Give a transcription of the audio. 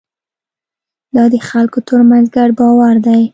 دا د خلکو ترمنځ ګډ باور دی.